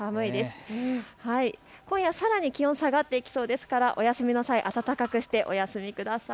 今夜さらに気温が下がっていきそうですからお休みの際、暖かくしてお休みください。